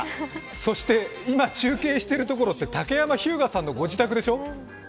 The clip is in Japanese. そして、今中継しているところは竹山日向さんの御自宅でしょう？